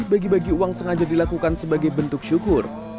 bagi bagi uang sengaja dilakukan sebagai bentuk syukur